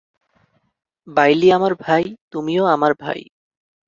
বাইলি আমার ভাই, তুমিও আমার ভাই।